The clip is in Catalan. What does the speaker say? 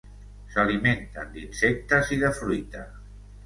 S'alimenten d'insectes i de fruita.